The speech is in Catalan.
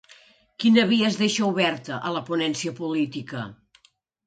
Quina via es deixa oberta a la ponència política?